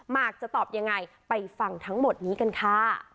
มากจะตอบยังไงไปฟังทั้งหมดนี้กันค่ะ